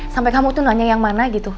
sampai kamu tuh nanya yang mana gitu